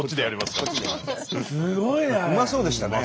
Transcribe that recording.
すごいね！